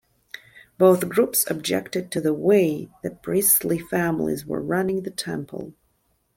Both groups objected to the way the priestly families were running the Temple.